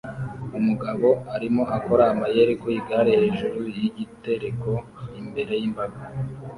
Umugabo arimo akora amayeri ku igare hejuru yigitereko imbere yimbaga